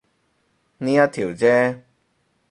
呢一條啫